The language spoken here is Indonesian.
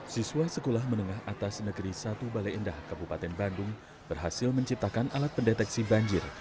siswa sekolah menengah atas negeri satu balai endah kabupaten bandung berhasil menciptakan alat pendeteksi banjir